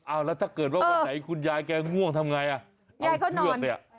อ้าวแล้วถ้าเกิดว่าใยคุณยายง่วงทำไงอ่ะเอาเพื่อยายก็นอน